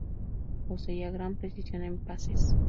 Poseía gran precisión en pases.